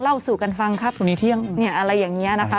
เรียนขอสูจน์กันฟังครับวันนี้เที่ยงอะไรอย่างนี้นะคะ